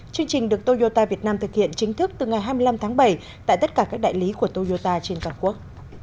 chương trình được toyota việt nam thực hiện chính thức từ ngày hai mươi năm tháng bảy tại tất cả các đại lý của toyota trên toàn quốc